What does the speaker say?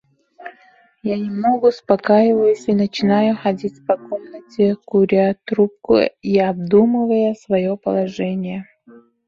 Я немного успокаиваюсь и начинаю ходить по комнате, куря трубку и обдумывая свое положение.